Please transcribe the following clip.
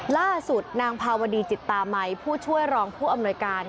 ล่าสุดนางภาวดีจิตตามัยผู้ช่วยรองผู้อำนวยการ